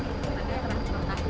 orang sudah transportasi